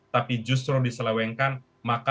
tapi justru diselewengkan maka harus dianggarkan